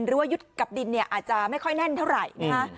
หรือว่ายึดกับดินอาจจะไม่ค่อยแน่นเท่าไร